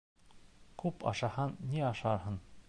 Күп ашаһаң ни ашарһың?